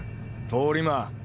通り魔」